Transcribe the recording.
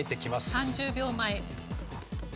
３０秒前。